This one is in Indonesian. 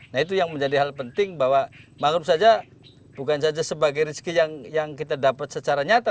nah itu yang menjadi hal penting bahwa mangrove saja bukan saja sebagai rezeki yang kita dapat secara nyata